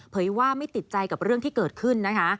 ว่าไม่ติดใจกับเรื่องที่เกิดขึ้นนะคะ